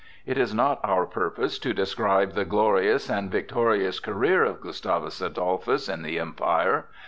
It is not our purpose to describe the glorious and victorious career of Gustavus Adolphus in the Empire.